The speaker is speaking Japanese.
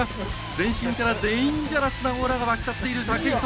全身からデンジャラスなオーラが沸き立っている武井壮。